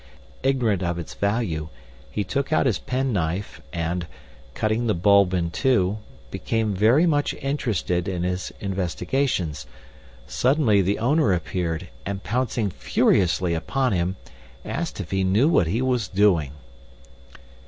Ignorant if its value, he took out his penknife and, cutting the bulb in two, became very much interested in his investigations. Suddenly the owner appeared and, pouncing furiously upon him, asked if he knew what he was doing.